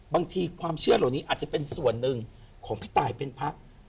บางทีความเชื่อเหล่านี้อาจจะเป็นส่วนหนึ่งของพี่ตายเป็นพัก